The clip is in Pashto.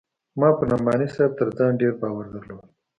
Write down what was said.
ما پر نعماني صاحب تر ځان ډېر باور درلود.